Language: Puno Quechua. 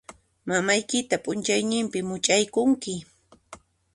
Mamaykita p'unchaynimpi much'aykunki.